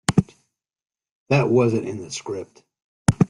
That wasn't in the script.